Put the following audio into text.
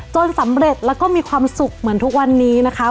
สำเร็จแล้วก็มีความสุขเหมือนทุกวันนี้นะคะ